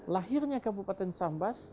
lahirnya kabupaten sambas